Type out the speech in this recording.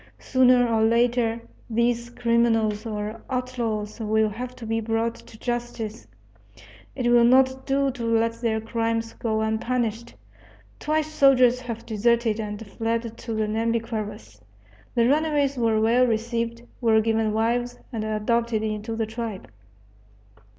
Sooner or later these criminals or outlaws will have to be brought to justice; it will not do to let their crimes go unpunished. Twice soldiers have deserted and fled to the Nhambiquaras. The runaways were well received, were given wives, and adopted into the tribe.